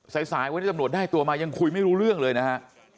สายสายวันนี้ตำรวจได้ตัวมายังคุยไม่รู้เรื่องเลยนะฮะ